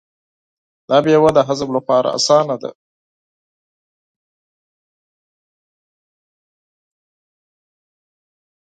دا مېوه د هضم لپاره اسانه ده.